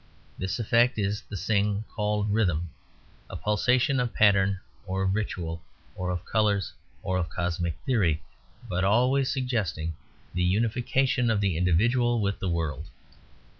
This effect is the Sing called rhythm, a pulsation of pattern, or of ritual, or of colours, or of cosmic theory, but always suggesting the unification of the individual with the world.